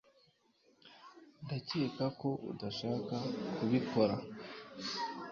Ndakeka ko udashaka kubikora?